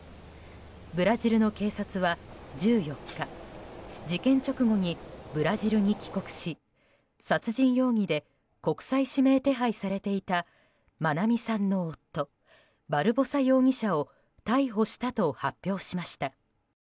ブラジルの警察は、１４日事件直後にブラジルに帰国し殺人容疑で国際指名手配されていた愛美さんの夫バルボサ容疑者を逮捕したと発表しました。